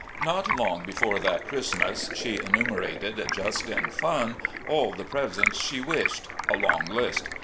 Not long before that Christmas, she enumerated, just in fun, all the presents she wished — a long list.